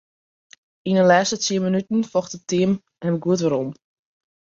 Yn 'e lêste tsien minuten focht it team him goed werom.